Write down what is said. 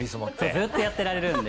ずーっとやってられるので。